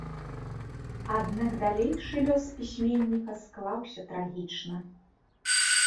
Аднак далейшы лёс пісьменніка склаўся трагічна.